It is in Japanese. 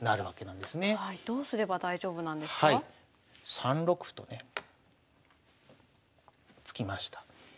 ３六歩とね突きました。